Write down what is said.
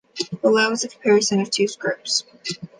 Below is the comparison of the two scripts.